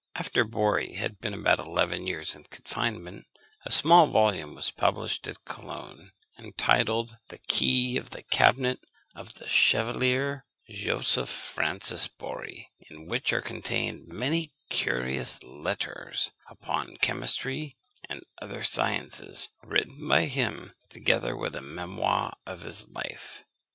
After Borri had been about eleven years in confinement, a small volume was published at Cologne, entitled _The Key of the Cabinet of the Chevalier Joseph Francis Borri, in which are contained many curious Letters upon Chemistry and other Sciences, written by him, together with a Memoir of his Life_.